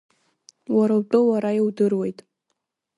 Уара утәы уара иудыруеит.